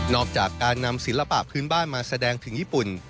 อกจากการนำศิลปะพื้นบ้านมาแสดงถึงญี่ปุ่น